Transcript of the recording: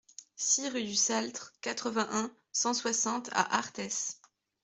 six rue du Saltre, quatre-vingt-un, cent soixante à Arthès